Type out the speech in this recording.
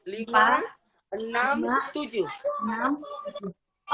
lima enam tujuh